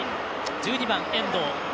１２番、遠藤。